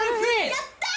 やった！